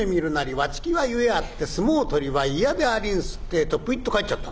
『わちきは故あって相撲取りは嫌でありんす』ってぇとプイッと帰っちゃった」。